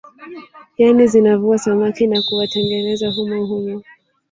Yani zinavua samaki na kuwatengeneza humo humo